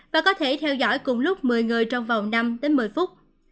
và có thể theo dõi cùng lúc một mươi người trong vòng năm đến một mươi phút